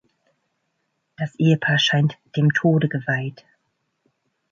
Das Ehepaar scheint dem Tode geweiht.